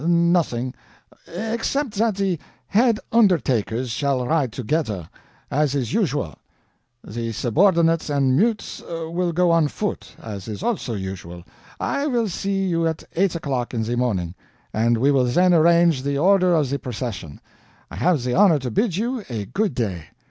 "Nothing, except that the head undertakers shall ride together, as is usual. The subordinates and mutes will go on foot, as is also usual. I will see you at eight o'clock in the morning, and we will then arrange the order of the procession. I have the honor to bid you a good day."